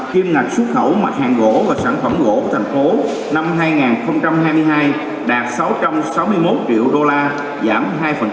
kim ngạch xuất khẩu mặt hàng gỗ và sản phẩm gỗ của thành phố năm hai nghìn hai mươi hai đạt sáu trăm sáu mươi một triệu đô la giảm hai